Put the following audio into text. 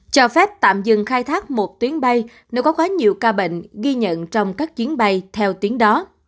cho phép tạm dừng khai thác một tuyến bay nếu có quá nhiều ca bệnh ghi nhận trong các chuyến bay theo tuyến đó